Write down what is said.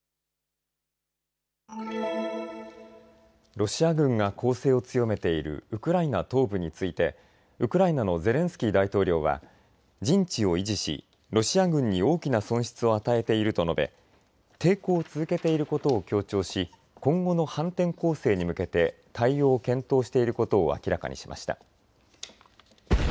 ロシア軍が攻勢を強めているウクライナ東部についてウクライナのゼレンスキー大統領は陣地を維持しロシア軍に大きな損失を与えていると述べ、抵抗を続けていることを強調し今後の反転攻勢に向けて対応を検討していることを明らかにしました。